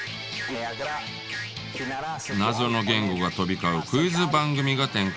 謎の言語が飛び交うクイズ番組が展開。